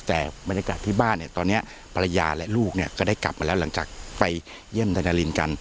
แต่บรรยากาศที่บ้านเนี่ยตอนนี้ภรรยาและลูกเนี่ยก็ได้กลับมาแล้วหลังจากไปเยี่ยมนายนารินกัน